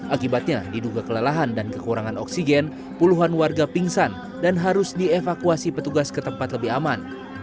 akibatnya diduga kelelahan dan kekurangan oksigen puluhan warga pingsan dan harus dievakuasi petugas ke tempat lebih aman